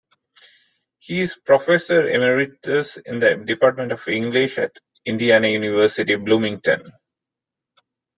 He is Professor Emeritus in the Department of English at Indiana University, Bloomington.